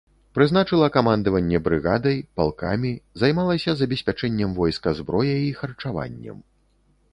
Прызначыла камандаванне брыгадай, палкамі, займалася забеспячэннем войска зброяй і харчаваннем.